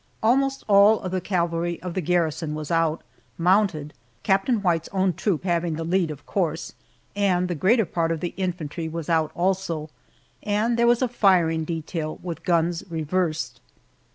Almost all of the cavalry of the garrison was out, mounted, Captain White's own troop having the lead, of course, and the greater part of the infantry was out also, and there was a firing detail, with guns reversed.